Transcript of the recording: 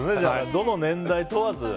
どの年代問わず。